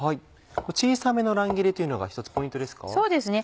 小さめの乱切りというのが１つポイントですか？